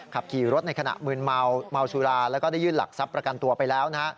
ขับขี่รถในขณะมืนเมาเมาสุราแล้วก็ได้ยื่นหลักทรัพย์ประกันตัวไปแล้วนะฮะ